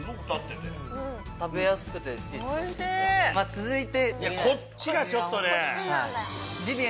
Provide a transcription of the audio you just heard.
続いて！